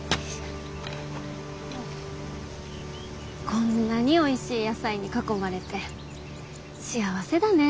こんなにおいしい野菜に囲まれて幸せだね。